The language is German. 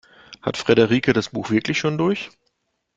Hat Friederike das Buch wirklich schon durch?